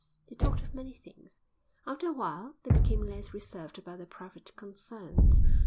They talked of many things. After a while they became less reserved about their private concerns.